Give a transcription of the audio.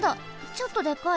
ちょっとでかい。